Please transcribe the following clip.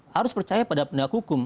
harus percaya pada penegak hukum